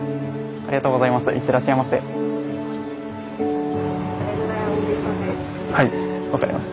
ありがとうございます。